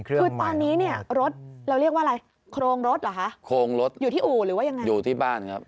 คือตอนนี้เนี่ยรถเราเรียกว่าอะไรโครงรถหรอฮะ